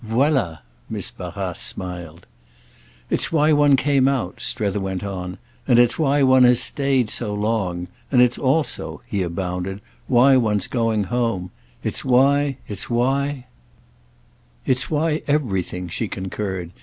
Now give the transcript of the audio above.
"Voilà!" Miss Barrace smiled. "It's why one came out," Strether went on. "And it's why one has stayed so long. And it's also"—he abounded—"why one's going home. It's why, it's why—" "It's why everything!" she concurred.